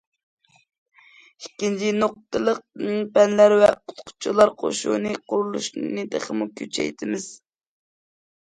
ئىككىنچى، نۇقتىلىق پەنلەر ۋە ئوقۇتقۇچىلار قوشۇنى قۇرۇلۇشىنى تېخىمۇ كۈچەيتىمىز.